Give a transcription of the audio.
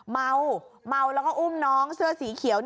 เมาเมาแล้วก็อุ้มน้องเสื้อสีเขียว